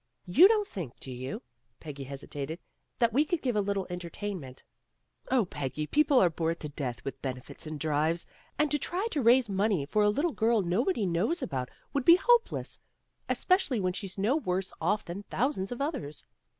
'' "You don't think, do you," Peggy hesitated, "that we could give a little entertainment " "Oh, Peggy, people are bored to death with benefits and drives, and to try to raise money for a little girl nobody knows about would be hopeless, especially when she's no worse off than thousands of others."